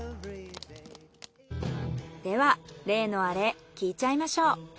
では例のアレ聞いちゃいましょう。